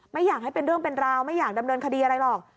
ไม่อยากให้เป็นเรื่องเป็นราวไม่อยากดำเนินคดีอะไรหรอก